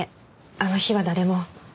あの日は誰も。